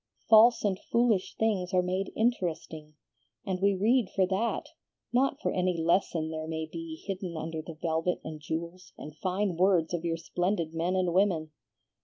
False and foolish things are made interesting, and we read for that, not for any lesson there may be hidden under the velvet and jewels and fine words of your splendid men and women.